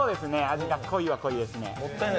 味は濃いは濃いですね。